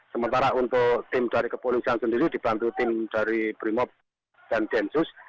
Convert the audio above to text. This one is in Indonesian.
sementara untuk tim dari kepolisian sendiri dibantu tim dari brimob dan densus